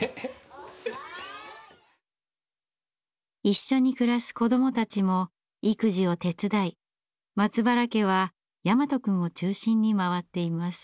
一緒に暮らす子どもたちも育児を手伝い松原家は大和くんを中心に回っています。